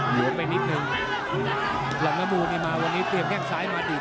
หลวงไปนิดนึงหลังมะบูมีมาวันนี้เตรียมแค่งซ้ายมาตรี